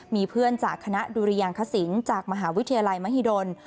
มีเพื่อนจากคณะดุริยางคสิงศ์จากมหาวิทยาลัยมหิดล